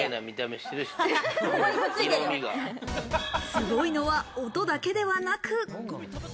すごいのは、音だけではなく。